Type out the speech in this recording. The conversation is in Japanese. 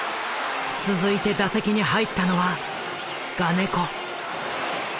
続いて打席に入ったのは我如古。